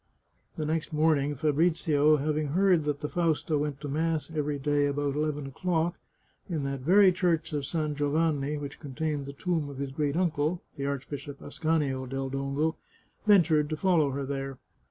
The next morning Fabrizio, having heard that the Fausta went to mass every day about eleven o'clock, in that very church of San Giovanni which contained the tomb of his great uncle, the Archbishop Ascanio del Dongo, ven tured to follow her there.